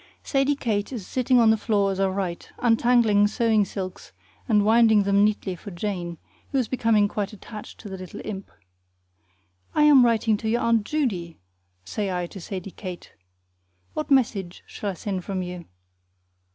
Sadie Kate is sitting on the floor as I write, untangling sewing silks and winding them neatly for Jane, who is becoming quite attached to the little imp. "I am writing to your Aunt Judy," say I to Sadie Kate. "What message shall I send from you?"